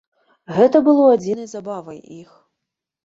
Гэта было адзінай забавай іх.